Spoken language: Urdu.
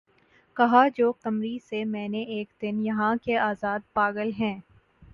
کہا جو قمری سے میں نے اک دن یہاں کے آزاد پاگل ہیں